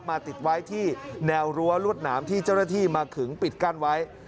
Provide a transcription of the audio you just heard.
ติดไว้ที่แนวรั้วรวดหนามที่เจ้าหน้าที่มาขึงปิดกั้นไว้